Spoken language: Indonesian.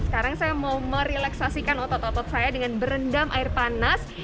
sekarang saya mau mereleksasikan otot otot saya dengan berendam air panas